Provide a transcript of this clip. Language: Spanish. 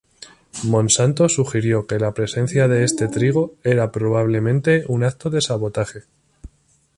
Monsanto sugirió que la presencia de este trigo era probablemente un acto de sabotaje.